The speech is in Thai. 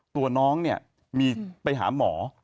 ตัวน้องเนี่ยมีไปหาหมอ